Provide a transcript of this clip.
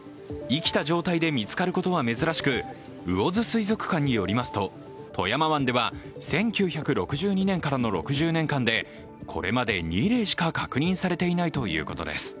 生きた状態で見つかることは珍しく、魚津水族館によりますと、富山湾では１９６２年からの６０年間でこれまで２例しか確認されていないということです。